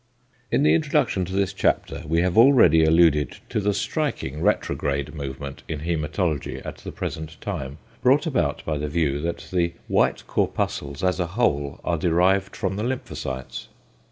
In the introduction to this chapter we have already alluded to the striking retrograde movement in hæmatology at the present time, brought about by the view that the white corpuscles as a whole are derived from the lymphocytes.